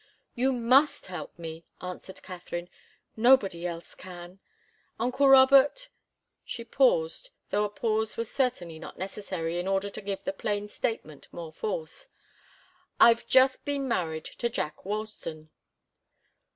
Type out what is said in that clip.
"You must help me," answered Katharine. "Nobody else can. Uncle Robert " She paused, though a pause was certainly not necessary in order to give the plain statement more force. "I've just been married to Jack Ralston."